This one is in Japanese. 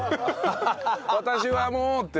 「私はもう」って。